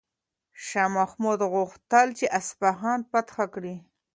شاه محمود غوښتل چې اصفهان فتح کړي.